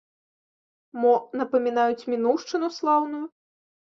Мо напамінаюць мінуўшчыну слаўную?